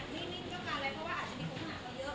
ไม่มีเจ้าการอะไรเพราะว่าอาจจะมีคุณหาไปเยอะ